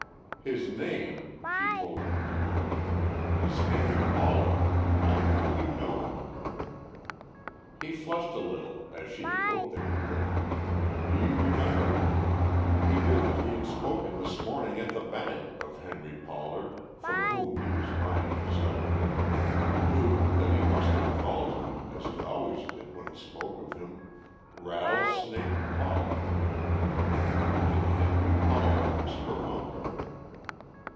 "His name," she told him demurely, "is Henry Pollard. I think you know him." He flushed a little as she had hoped that he would. He remembered. He knew that he had spoken this morning at the bank of Henry Pollard from whom he was buying his outfit, knew that he must have called him, as he always did when he spoke of him, "Rattlesnake" Pollard. And Henry Pollard was her uncle!